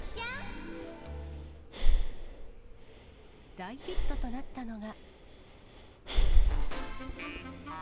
大ヒットとなったのが。